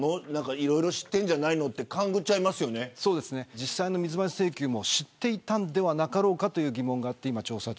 いろいろ知っているんじゃないのと実際の水増し請求も知っていたんではなかろうかという疑問があって今、調査中。